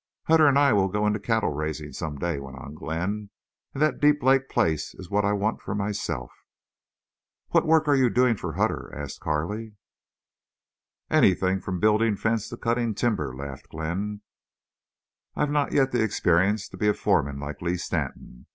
"Hutter and I will go into cattle raising some day," went on Glenn. "And that Deep Lake place is what I want for myself." "What work are you doing for Hutter?" asked Carley. "Anything from building fence to cutting timber," laughed Glenn. "I've not yet the experience to be a foreman like Lee Stanton.